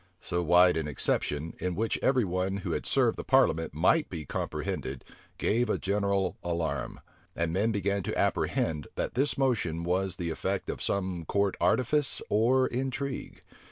So wide an exception, in which every one who had served the parliament might be comprehended, gave a general alarm; and men began to apprehend, that this motion was the effect of some court artifice or intrigue.